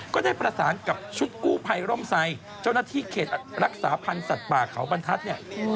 ก็ได้ประสานกับชุดกู้ภัยร่มไซเจ้าหน้าที่เขตรักษาพันธ์สัตว์ป่าเขาบรรทัศน์เนี่ย